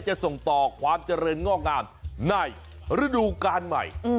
จะส่งต่อความเจริญงอกงามในฤดูการใหม่